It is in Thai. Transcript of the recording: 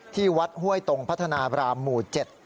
ที่วัดห้วยตรงพัฒนาบรามหมู่๗